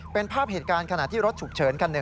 เป็นภาพเหตุการณ์ขณะที่รถฉุกเฉิน